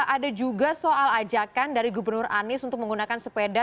ada juga soal ajakan dari gubernur anies untuk menggunakan sepeda